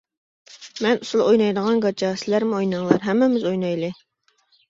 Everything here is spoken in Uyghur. -مەن ئۇسسۇل ئوينايدىغان گاچا، سىلەرمۇ ئويناڭلار، ھەممىمىز ئوينايلى!